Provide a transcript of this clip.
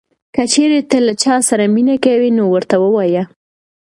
که چېرې ته له چا سره مینه کوې نو ورته ووایه.